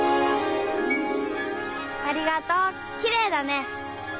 ありがとうきれいだね